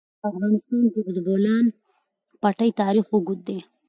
په افغانستان کې د د بولان پټي تاریخ اوږد دی.